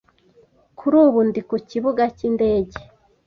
Kuri ubu ndi ku kibuga cyindege.